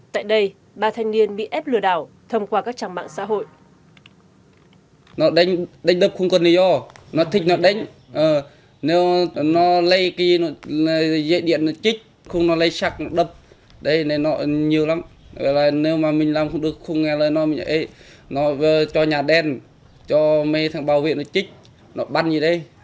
tại đây ba thanh niên bị ép lừa đảo thông qua các trạng mạng xã hội